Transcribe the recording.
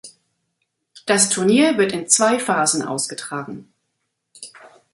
Das Turnier wird in zwei Phasen ausgetragen.